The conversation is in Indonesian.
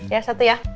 ya satu ya